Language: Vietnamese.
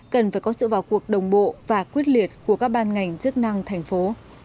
cần phải có sự vào cuộc đồng bộ và quyết liệt của các ban ngành chức năng thành phố